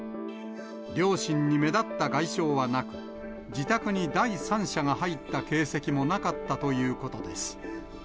両親に目立った外傷はなく、自宅に第三者が入った形跡もなかったということです。